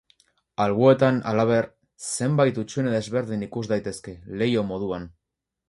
Alboetan, halaber, zenbait hutsune desberdin ikus daitezke, leiho moduan.